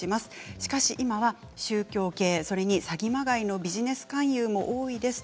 しかし今は宗教系、それに詐欺まがいのビジネス勧誘も多いです。